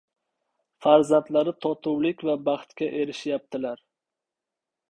farzandlari totuvlik va baxtga erishyaptilar.